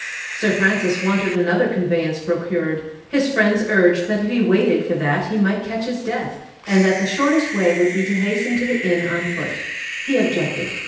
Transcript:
Sir Francis wanted another conveyance procured; his friends urged that if he waited for that he might catch his death, and that the shortest way would be to hasten to the inn on foot. He objected.